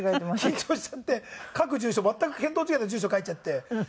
緊張しちゃって書く住所全く見当違いの住所書いちゃって。